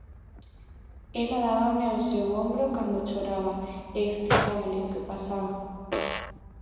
Ela dábame o seu ombro cando choraba, e explicáballe o que pasaba.